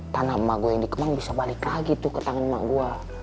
tanah emak gue yang dikembang bisa balik lagi tuh ke tangan emak gue